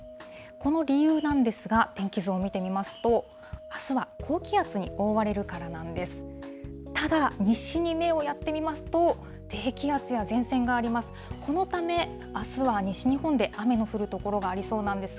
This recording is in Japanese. この理由なんですが、天気図を見てみますと、あすは高気圧に覆われるからなんです。